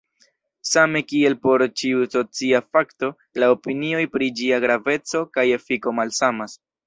Same kiel por ĉiu socia fakto, la opinioj pri ĝia graveco kaj efiko malsamas.